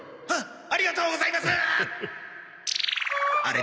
あっ！